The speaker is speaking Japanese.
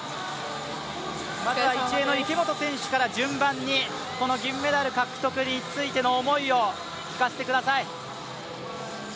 １泳の池本選手から順番に銀メダル獲得についての思いを聞かせてください。